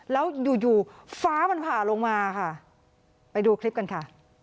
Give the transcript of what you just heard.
แล้วอยู่อยู่ฟ้ามันผ่าลงมาค่ะไปดูคลิปกันค่ะ